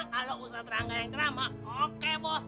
kalau ustadz rangga yang cerama oke bos